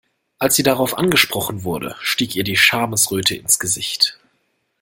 Als sie darauf angesprochen wurde, stieg ihr die Schamesröte ins Gesicht.